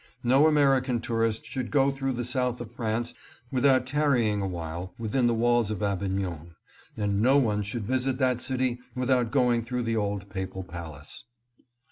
No American tourist should go through the south of France without tarrying awhile within the walls of Avignon, and no one should visit that city without going through the old papal palace.